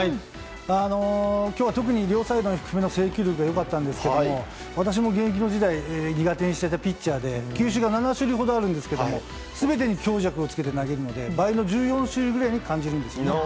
今日は特に両サイドへの制球力が良かったんですが私も現役時代苦手にしていたピッチャーで球種が７種類ほどあるんですが全てに強弱をつけて投げるので倍に感じるんです。